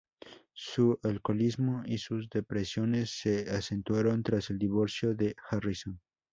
Su alcoholismo y sus depresiones se acentuaron tras el divorcio de Harrison.